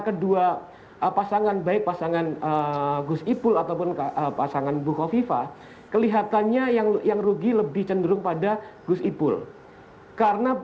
kedua pasangan baik pasangan gus ipul ataupun pasangan bukofifa kelihatannya yang yang rugi lebih cenderung pada pasangan bukofifa yang rugi lebih cenderung pada pasangan bukofifa yang rugi lebih cenderung pada